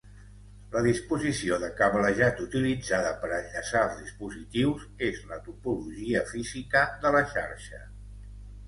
La disposició de cablejat utilitzada per enllaçar els dispositius és la topologia física de la xarxa.